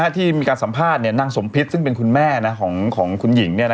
ที่มีการสัมภาษณ์นางสมพิษซึ่งเป็นคุณแม่ของคุณหญิง